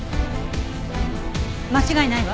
間違いないわ。